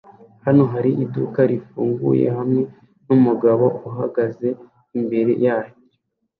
Hano hari iduka rifunguye hamwe numugabo uhagaze imbere yacyo